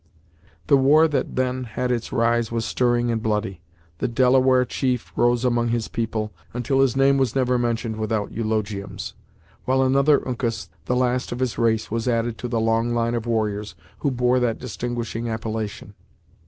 The war that then had its rise was stirring and bloody. The Delaware chief rose among his people, until his name was never mentioned without eulogiums, while another Uncas, the last of his race, was added to the long line of warriors who bore that distinguishing appellation.